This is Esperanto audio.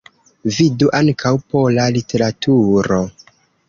Vidu ankaŭ: Pola literaturo.